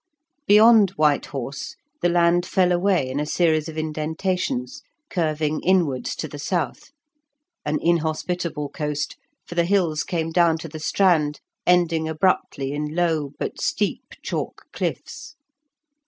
Beyond White Horse, the land fell away in a series of indentations, curving inwards to the south; an inhospitable coast, for the hills came down to the strand, ending abruptly in low, but steep, chalk cliffs.